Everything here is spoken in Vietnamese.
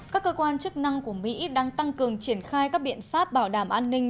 các cơ quan chức năng của mỹ đang tăng cường triển khai các biện pháp bảo đảm an ninh